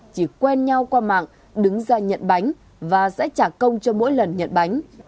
chỉ quen nhau qua mạng đứng ra nhận bánh và sẽ trả công cho mỗi lần nhận bánh